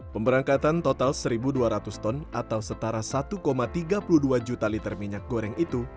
pemberangkatan total satu dua ratus ton atau setara satu tiga puluh dua juta liter minyak goreng itu